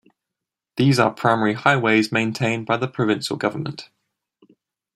These are primary highways maintained by the provincial government.